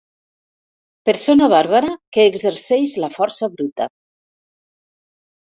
Persona bàrbara que exerceix la força bruta.